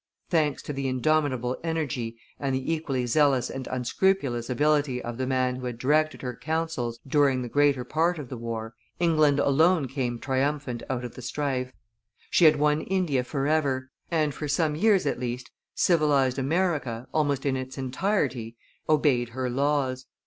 Thanks to the indomitable energy and the equally zealous and unscrupulous ability of the man who had directed her counsels during the greater part of the war, England alone came triumphant out of the strife. She had won India forever; and, for some years at least, civilized America, almost in its entirety, obeyed her laws.